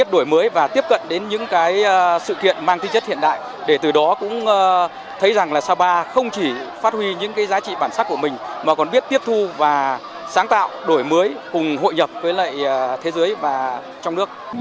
đổi mới và tiếp cận đến những cái sự kiện mang tính chất hiện đại để từ đó cũng thấy rằng là sapa không chỉ phát huy những cái giá trị bản sắc của mình mà còn biết tiếp thu và sáng tạo đổi mới cùng hội nhập với lại thế giới và trong nước